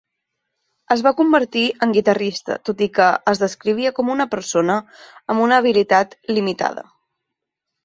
Es va convertir en guitarrista tot i que es descrivia com a una persona amb una "habilitat limitada".